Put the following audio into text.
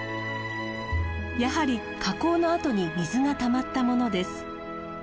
やはり火口の跡に水がたまったものです。